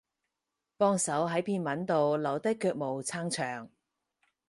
幫手喺篇文度留低腳毛撐場